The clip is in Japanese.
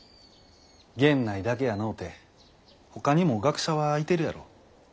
源内だけやのうてほかにも学者はいてるやろ。